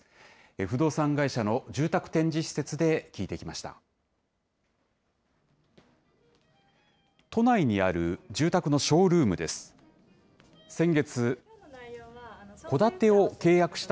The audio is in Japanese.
不動産会社の住宅展示施設で聞いてきました。